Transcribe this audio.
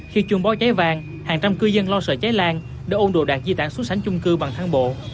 khi chuồng bó cháy vang hàng trăm cư dân lo sợ cháy lan đã ôn đồ đạt di tản xuất sánh chung cư bằng thang bộ